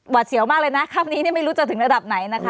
เสียวมากเลยนะค่ำนี้ไม่รู้จะถึงระดับไหนนะคะ